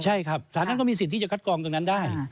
ใช่ครับสารนั้นก็มีสิทธิ์ที่จะคัดกรองตรงนั้นได้